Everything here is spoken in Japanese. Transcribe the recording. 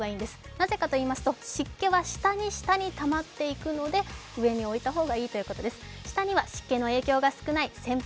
なぜかといいますと、湿気は下に下にたまっていきますので、上に置いた方がいいということですね。